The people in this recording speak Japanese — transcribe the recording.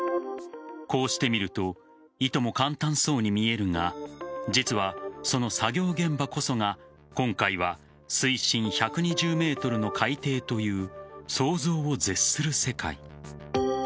こうして見るといとも簡単そうに見えるが実はその作業現場こそが今回は水深１２０ｍの海底という想像を絶する世界。